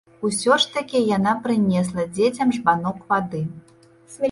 Усё ж такі яна прынесла дзецям жбанок вады.